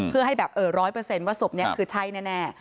เพื่อให้แบบเออร้อยเปอร์เซ็นต์ว่าศพเนี่ยคือใช่แน่